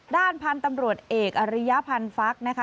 ด้านพันธุ์ตำรวจเอกอริยพันธ์ฟักนะคะ